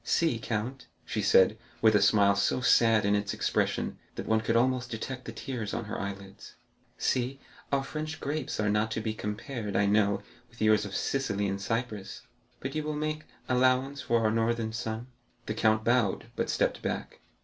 "See, count," she said, with a smile so sad in its expression that one could almost detect the tears on her eyelids—"see, our French grapes are not to be compared, I know, with yours of Sicily and Cyprus, but you will make allowance for our northern sun." The count bowed, but stepped back.